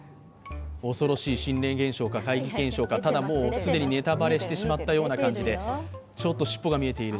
恐ろしい心霊現象か怪奇現象かただもう既にネタバレしてしまったような感じで尻尾が見えている。